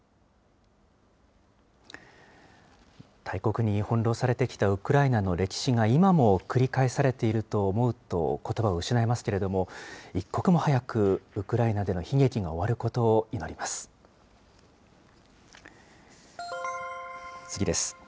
大国に翻弄されてきたウクライナの歴史が、今も繰り返されていると思うと、ことばを失いますけれども、一刻も早く、ウクライナでの悲劇が終わることを祈ります。